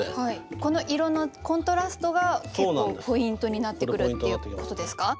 この色のコントラストが結構ポイントになってくるっていうことですか？